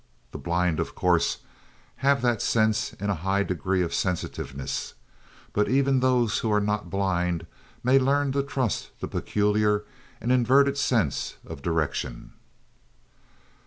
The blind, of course, have that sense in a high degree of sensitiveness, but even those who are not blind may learn to trust the peculiar and inverted sense of direction.